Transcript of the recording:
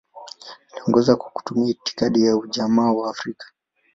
Aliongoza kwa kutumia itikadi ya Ujamaa wa Afrika.